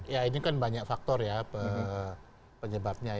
ya ini kan banyak faktor ya penyebabnya ya